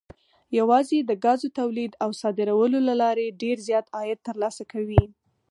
یوازې د ګازو تولید او صادرولو له لارې ډېر زیات عاید ترلاسه کوي.